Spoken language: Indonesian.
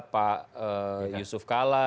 pak yusuf kala